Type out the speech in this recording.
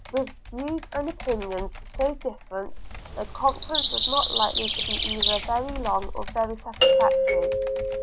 With views and opinions so different, their conference was not likely to be either very long or very satisfactory.